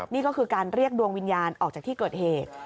นี่ก็คือการเรียกดวงวิญญาณออกจากที่เกิดเหตุ